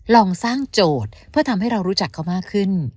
ลองสร้างโจทย์เพื่อทำให้เรารู้จักเขามากขึ้น